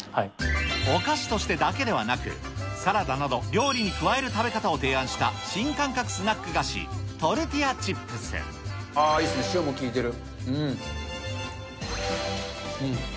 お菓子としてだけではなく、サラダなど料理に加える食べ方を提案した、新感覚スナック菓子、ああいいっすね、塩も効いてる。